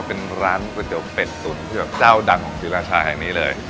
เป็นร้านก๋วยเตี๋ยวเป็ดตุ๋นที่แบบเจ้าดังของศรีราชาแห่งนี้เลย